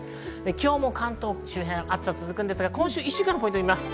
今日も関東周辺、暑さが続くんですが、今週１週間のポイントを見ます。